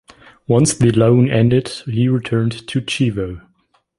Once the loan ended he returned to Chievo.